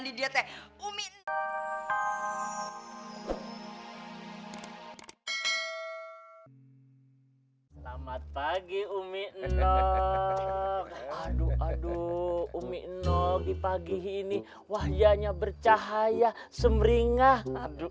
di diet umit selamat pagi umit no aduh aduh umi nogi pagi ini wahyanya bercahaya semringah aduh